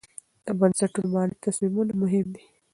د بنسټونو مالي تصمیمونه مهم دي.